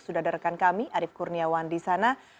sudah ada rekan kami arief kurniawan disana